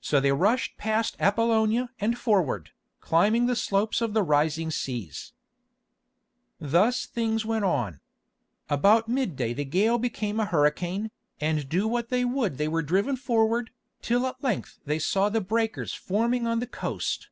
So they rushed past Appolonia and forward, climbing the slopes of the rising seas. Thus things went on. About mid day the gale became a hurricane, and do what they would they were driven forward, till at length they saw the breakers forming on the coast.